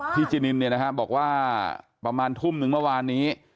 พี่จินินนะครับบอกว่าประมาณทุ่มนึงเมื่อวานนี้